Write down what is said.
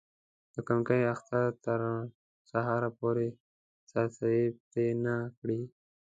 د کمکي اختر تر سهاره پورې سرسایې پرې نه کړي.